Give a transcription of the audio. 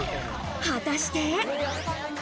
果たして。